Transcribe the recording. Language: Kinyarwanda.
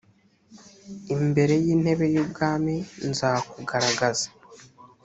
imbere y’intebe y’ubwami nzakugaragaza